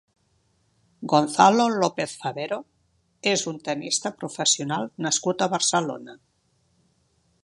Gonzalo Lopez-Fabero és un tennista professional nascut a Barcelona.